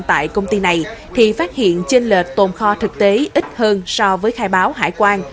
tại công ty này thì phát hiện trên lệch tồn kho thực tế ít hơn so với khai báo hải quan